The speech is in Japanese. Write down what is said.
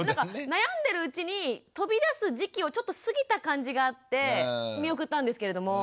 悩んでるうちに飛び出す時期をちょっと過ぎた感じがあって見送ったんですけれども。